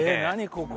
ここ。